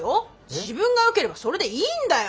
自分がよければそれでいいんだよ。